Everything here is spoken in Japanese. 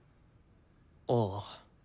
ああ。